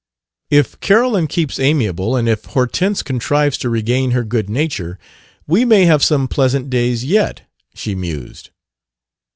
"If Carolyn keeps amiable and if Hortense contrives to regain her good nature, we may have some pleasant days yet," she mused.